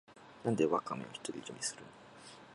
なんでワカメを独り占めするの